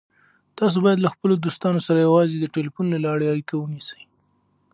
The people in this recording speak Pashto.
تاسو باید له خپلو دوستانو سره یوازې د ټلیفون له لارې اړیکه ونیسئ.